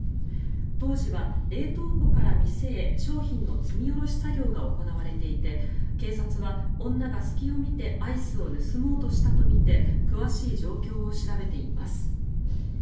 当時は冷凍庫から店へ商品の積み下ろし作業が行われていて警察は女が隙を見てアイスを盗もうとしたとみて詳しい状況を調べています。